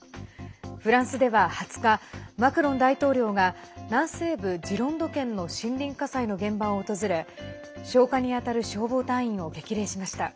フランスでは２０日マクロン大統領が南西部ジロンド県の森林火災の現場を訪れ消火にあたる消防隊員を激励しました。